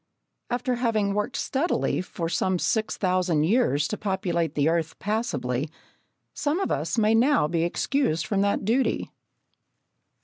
After having worked steadily for some six thousand years to populate the earth passably, some of us may now be excused from that duty.